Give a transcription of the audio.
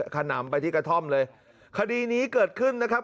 ขนำไปที่กระท่อมเลยคดีนี้เกิดขึ้นนะครับ